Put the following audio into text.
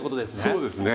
そうですね。